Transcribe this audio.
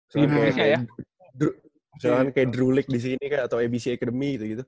sebenernya kayak drew league di sini atau abc academy gitu